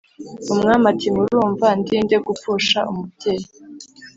umwami ati ‘murumva, ndinde gupfusha umubyeyi?’